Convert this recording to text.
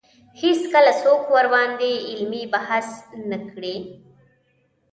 هېڅکله څوک ورباندې علمي بحث نه کړي